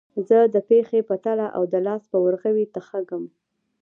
زه د پښې په تله او د لاس په ورغوي تخږم